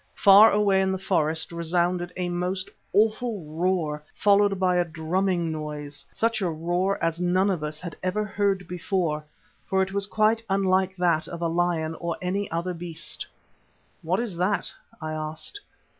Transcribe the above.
Far away in the forest resounded a most awful roar, followed by a drumming noise, such a roar as none of us had ever heard before, for it was quite unlike that of a lion or any other beast. "What is that?" I asked.